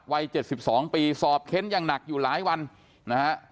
วัย๗๒ปีสอบเค้นอย่างหนักอยู่หลายวันนะฮะ